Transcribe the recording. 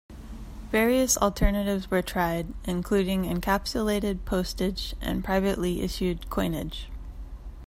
Various alternatives were tried, including encapsulated postage and privately issued coinage.